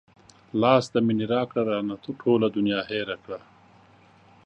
لاس د مينې راکړه رانه ټوله دنيا هېره کړه